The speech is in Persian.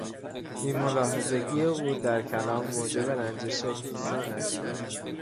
بیملاحظگی او در کلام موجب رنجش دوستانش شد.